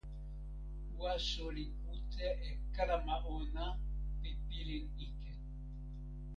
waso li kute e kalama ona pi pilin ike.